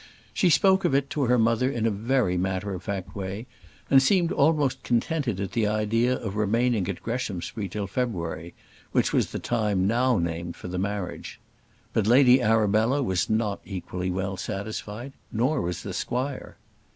She spoke of it to her mother in a very matter of fact way, and seemed almost contented at the idea of remaining at Greshamsbury till February; which was the time now named for the marriage. But Lady Arabella was not equally well satisfied, nor was the squire.